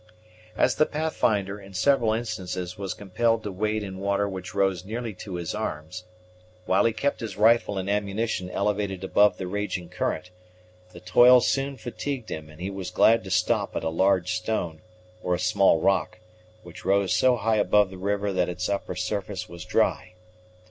As the Pathfinder, in several instances, was compelled to wade in water which rose nearly to his arms, while he kept his rifle and ammunition elevated above the raging current, the toil soon fatigued him, and he was glad to stop at a large stone, or a small rock, which rose so high above the river that its upper surface was dry.